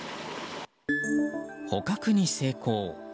捕獲に成功。